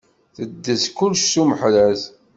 Teddez kullec s umehraz